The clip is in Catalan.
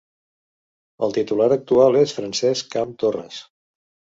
El titular actual és Francesc Camp Torres.